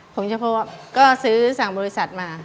ผงชาโคก็ซื้อสั่งบริษัทมา